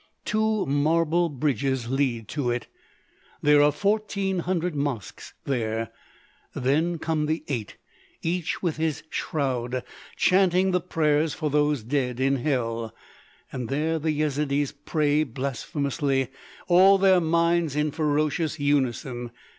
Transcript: "Two marble bridges lead to it. There are fourteen hundred mosques there. Then come the Eight, each with his shroud, chanting the prayers for those dead in hell. And there the Yezidees pray blasphemously, all their minds in ferocious unison....